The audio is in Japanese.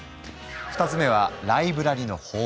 ２つ目はライブラリの豊富さ。